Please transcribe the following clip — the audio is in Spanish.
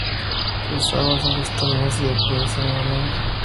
Sus aguas son cristalinas y las playas de arena blanca.